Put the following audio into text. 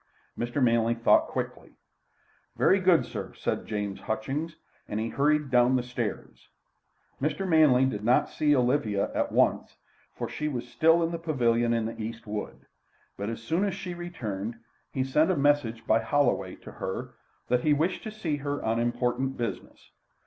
Mr. Manley thought quickly. "Very good, sir," said James Hutchings, and he hurried down the stairs. Mr. Manley did not see Olivia at once, for she was still in the pavilion in the East wood. But as soon as she returned, he sent a message by Holloway to her, that he wished to see her on important business.